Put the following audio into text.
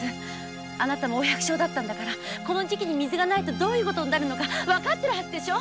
あなたもお百姓だったんだからこの時期水がなかったらどんなことになるかわかってるでしょ。